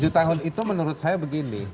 tujuh tahun itu menurut saya begini